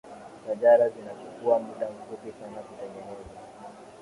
shajara zinachukua muda mfupi sana kutengenezwa